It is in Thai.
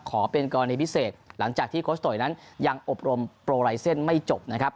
ขอเป็นกรณีพิเศษหลังจากที่โคชโตยนั้นยังอบรมโปรไลเซ็นต์ไม่จบนะครับ